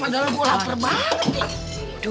padahal gue latar banget nih